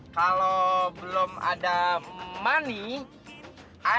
kalo belum ada money